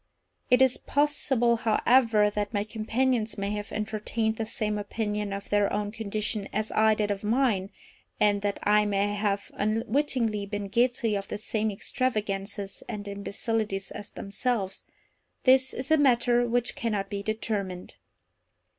It is possible, however, that my companions may have entertained the same opinion of their own condition as I did of mine, and that I may have unwittingly been guilty of the same extravagances and imbecilities as themselves—this is a matter which cannot be determined.